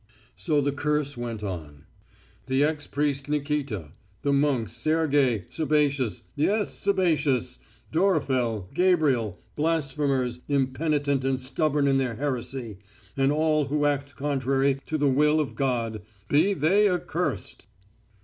So the curse went on: "The ex priest Nikita, the monks Sergei, Sabatius yes, Sabatius Dorofei, Gabriel blasphemers, impenitent and stubborn in their heresy and all who act contrary to the will of God, be they accursed!..."